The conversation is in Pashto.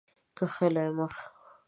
کښلی مخ